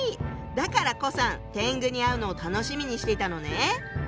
だから胡さん天狗に会うのを楽しみにしてたのね。